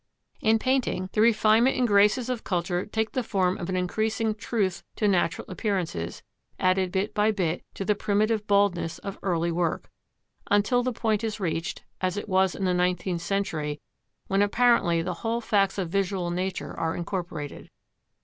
In painting, the refinement and graces of culture take the form of an increasing truth to natural appearances, added bit by bit to the primitive baldness of early work; until the point is reached, as it was in the nineteenth century, when apparently the whole facts of visual nature are incorporated.